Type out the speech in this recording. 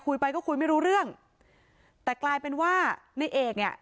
อ่ะคุยไปก็คุยไม่รู้เรื่องแต่กลายเป็นว่านายเอกอ่ะ